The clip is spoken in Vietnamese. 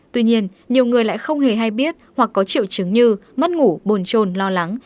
tuy nhiên nhiều người lại không hề hay biết hoặc có triệu chứng như mất ngủ bồn trồn lo lắng